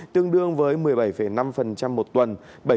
tương đương với một mươi bảy năm một tuần